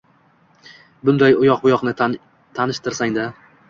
Bunday, uyoq-buyoqni tanishtiring-da?